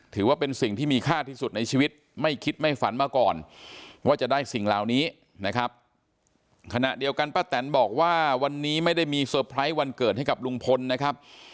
ถือว่าเป็นสิ่งที่มีค่าที่สุดในชีวิตไม่คิดไม่ฝันมาก่อนว่าจะได้สิ่งเหล่านี้นะครับ